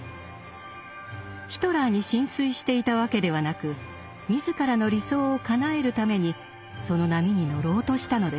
ヒトラーに心酔していたわけではなく自らの理想をかなえるためにその波に乗ろうとしたのです。